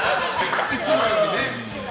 いつもよりね。